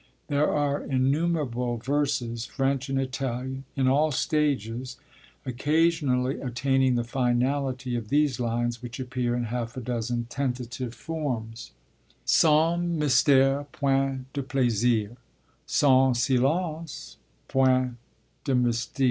There are innumerable verses, French and Italian, in all stages, occasionally attaining the finality of these lines, which appear in half a dozen tentative forms: Sans mystère point de plaisirs, _Sans silence point de mystère.